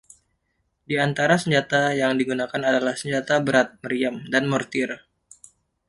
Di antara senjata yang digunakan adalah senjata berat (meriam) dan mortir.